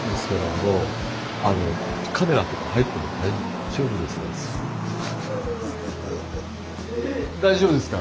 あの大丈夫ですか。